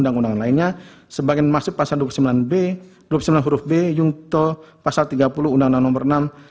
undang undang lainnya sebagian masuk pasal dua puluh sembilan b dua puluh sembilan huruf b jungto pasal tiga puluh undang undang nomor enam